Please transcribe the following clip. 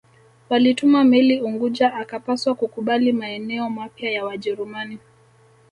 Walituma meli Unguja akapaswa kukubali maeneo mapya ya Wajerumani